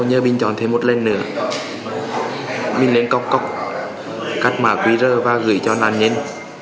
nhờ mình chọn thêm một lệnh nữa mình lên cọc cọc cắt mạng qr và gửi cho nàn nhến